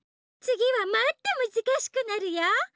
つぎはもっとむずかしくなるよ。